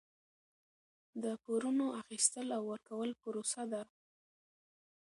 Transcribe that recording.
د پورونو اخیستل او ورکول پروسه ده.